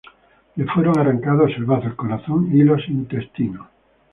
Le fueron arrancados el bazo, el corazón y los intestinos.